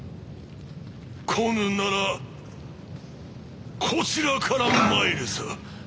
来ぬならこちらから参るぞ。